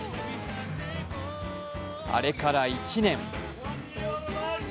あれから１年。